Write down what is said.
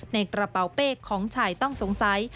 ในกระเป๋าเป้ของชายต้องสงสัย